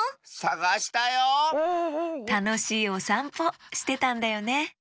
たのしいおさんぽしてたんだよね！